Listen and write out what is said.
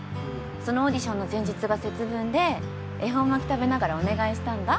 そのオーディションの前日が節分で恵方巻き食べながらお願いしたんだ。